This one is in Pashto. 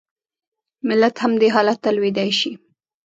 ملت هم دې حالت ته لوېدای شي.